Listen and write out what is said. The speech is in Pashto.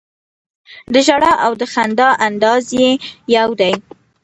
د ژړا او د خندا انداز یې یو دی.